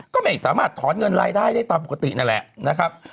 ก็ไม่สามารถถอนเงินรายได้ได้ตามปกตินั่นแหละนะครับ